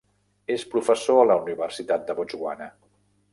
És professor a la Universitat de Botswana.